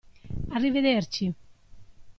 Arrivederci.